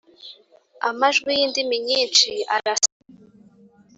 Amajwi y’indiminyinshi arasa